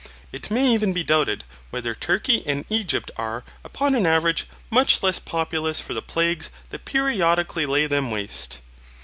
It may even be doubted whether Turkey and Egypt are upon an average much less populous for the plagues that periodically lay them waste.